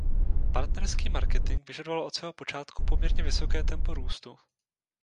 Partnerský marketing vykazoval od svého počátku poměrně vysoké tempo růstu.